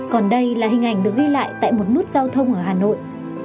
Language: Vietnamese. còn đây là hình ảnh được ghi lại tại một nút giao thông ở hà nội